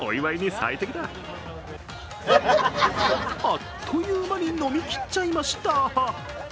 あっという間に飲み切っちゃいました。